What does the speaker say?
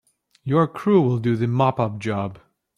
Your crew will do the mop up job.